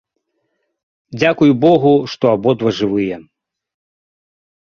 Дзякуй богу, што абодва жывыя.